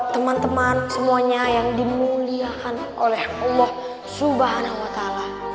teman teman semuanya yang dimuliakan oleh allah subhanahu wa ta'ala